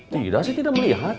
tidak saya tidak melihat